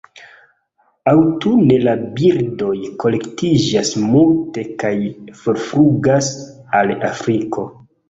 Aŭtune la birdoj kolektiĝas multe kaj forflugas al Afriko.